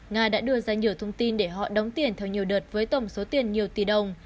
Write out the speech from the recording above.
nga đã đưa ra nhiều thông tin để họ đóng tiền theo nhiều đợt với tổng số tiền nhiều tỷ đồng